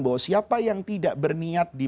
bahwa siapa yang tidak berniat di